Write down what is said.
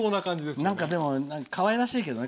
かわいらしいけどね。